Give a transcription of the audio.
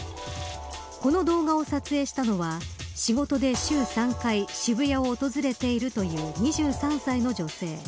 この動画を撮影したのは仕事で週３回、渋谷を訪れているという２３歳の女性。